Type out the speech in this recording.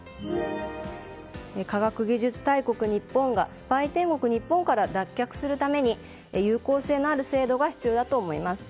科学技術大国・日本がスパイ天国・日本から脱却するために有効性のある制度が必要だと思います。